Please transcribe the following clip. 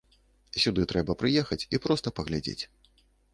Сюды трэба прыехаць і проста паглядзець.